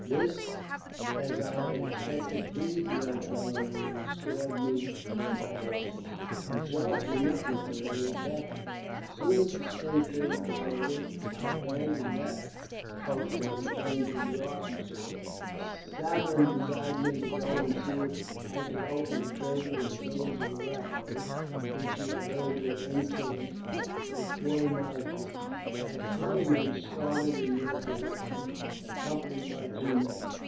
This, as I had expected, pleased the old fellow, and he restored me my horses, and charged me nothing for their recapture. As soon as the spring trade was over, I abandoned that post and returned to the Arkansas. Saverine desired me to go and see if I could open a trade with a village of Arrap a hos which he had heard was encamped at forty miles distance. I accordingly started in their direction, accompanied by two men.